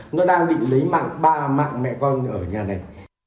nó đang định lấy mạng ba mạng mẹ con ở nhà này